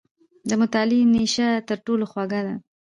• د مطالعې نیشه تر ټولو خوږه ده.